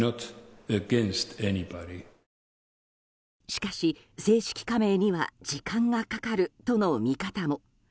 しかし、正式加盟には時間がかかるとの見方も。